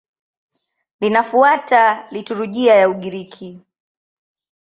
Linafuata liturujia ya Ugiriki.